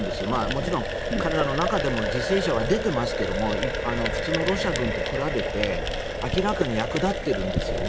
もちろん彼らの中でも犠牲者は出ていますが普通のロシア軍と比べて明らかに役立っているんですよね。